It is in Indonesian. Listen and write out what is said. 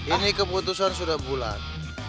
ini keputusan sudah bulat